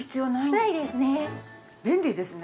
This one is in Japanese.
ないですね。